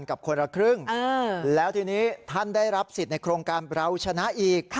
กับคนละครึ่งแล้วทีนี้ท่านได้รับสิทธิ์ในโครงการเราชนะอีก